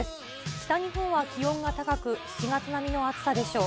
北日本は気温が高く、７月並みの暑さでしょう。